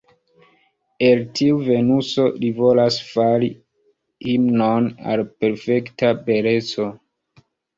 El tiu Venuso li volas fari himnon al perfekta beleco.